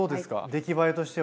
出来栄えとしては。